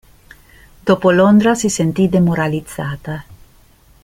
Dopo Londra si sentì demoralizzata.